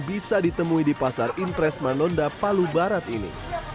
bisa ditemui di pasar impres manonda palu barat ini